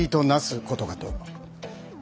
ことかと。